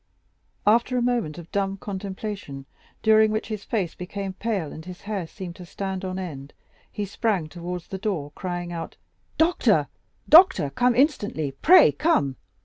After a moment of dumb contemplation, during which his face became pale and his hair seemed to stand on end, he sprang towards the door, crying out: "Doctor, doctor! come instantly, pray come!"